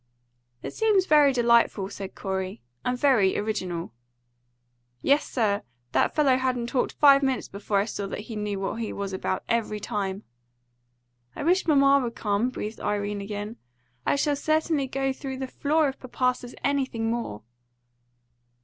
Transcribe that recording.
"It seems very delightful," said Corey, "and very original." "Yes, sir. That fellow hadn't talked five minutes before I saw that he knew what he was about every time." "I wish mamma would come!" breathed Irene again. "I shall certainly go through the floor if papa says anything more."